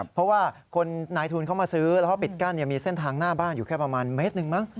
เพราะว่าคนนายทุนเขามาซื้อแล้วเขาปิดกั้นมีเส้นทางหน้าบ้านอยู่แค่ประมาณเมตรหนึ่งมั้ง